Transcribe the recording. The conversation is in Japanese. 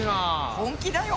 本気だよ。